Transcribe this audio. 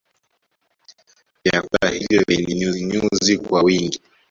Vyakula hivyo vyenye nyuzinyuzi kwa wingi